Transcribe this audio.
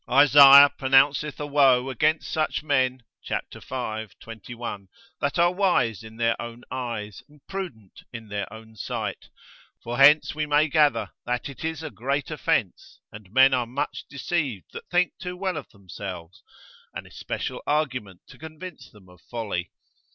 Isaiah pronounceth a woe against such men, cap. v. 21, that are wise in their own eyes, and prudent in their own sight. For hence we may gather, that it is a great offence, and men are much deceived that think too well of themselves, an especial argument to convince them of folly.